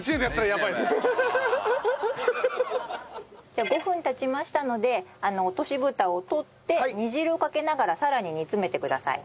じゃあ５分経ちましたので落とし蓋を取って煮汁をかけながらさらに煮詰めてください。